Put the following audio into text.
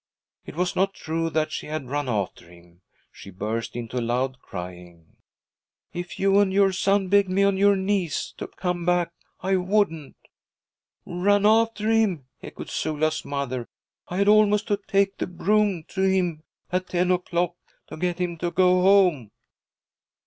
It was not true that she had run after him. She burst into loud crying. 'If you and your son begged me on your knees to come back, I wouldn't.' 'Run after him!' echoed Sula's mother. 'I had almost to take the broom to him at ten o'clock to get him to go home!'